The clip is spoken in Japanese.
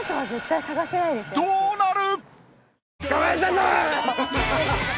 どうなる！？